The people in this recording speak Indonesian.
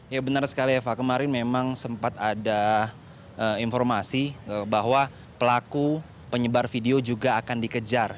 ya benar sekali eva kemarin memang sempat ada informasi bahwa pelaku penyebar video juga akan dikejar